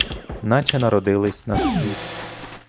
Наче народились на світ.